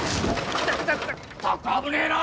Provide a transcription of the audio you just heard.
ったく危ねえな！